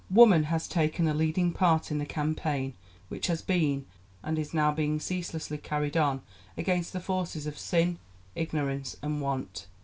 Woman has taken a leading part in the campaign which has been and is now being ceaselessly carried on against the forces of sin, ignorance, and want.